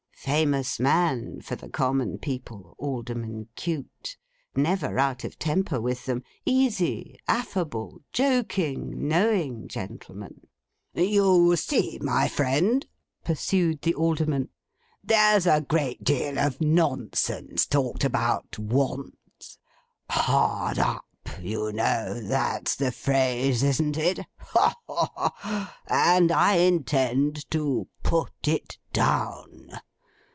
Famous man for the common people, Alderman Cute! Never out of temper with them! Easy, affable, joking, knowing gentleman! 'You see, my friend,' pursued the Alderman, 'there's a great deal of nonsense talked about Want—"hard up," you know; that's the phrase, isn't it? ha! ha! ha!—and I intend to Put it Down.